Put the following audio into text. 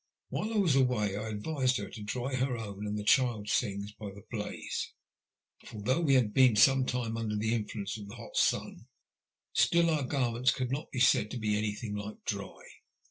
While I was away, I advised her to dry her own and the child's things by the blaze, for though we had been some time under the influence of the hot sun, still our garments could not be said to be any thing like dry.